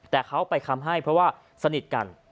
แต่เขาไปคำให้เพราะว่าสนิทกัน